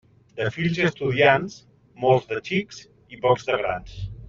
De fills i d'estudiants, molts de xics i pocs de grans.